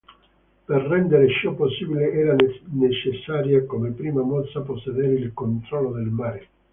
Per rendere ciò possibile era necessaria come prima mossa possedere il controllo del mare.